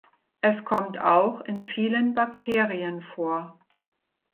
Es kommt auch in vielen Bakterien vor.